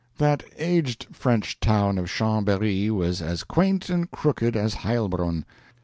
That aged French town of Chambèry was as quaint and crooked as Heilbronn.